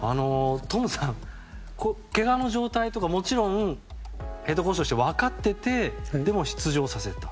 トムさん、けがの状態とかもちろんヘッドコーチとして分かっててでも、出場させた。